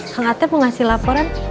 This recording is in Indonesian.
hengate mengasih laporan